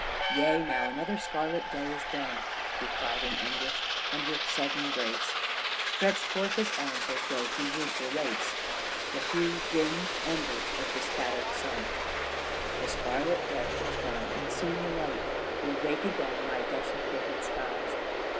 "Yea, now another scarlet day is done!" He cried in anguish, and with sudden grace Stretched forth His arms, as though He would erase The few, dim embers of the scattered sun. "The scarlet day is done, and soon the light Will wake again my desecrated skies.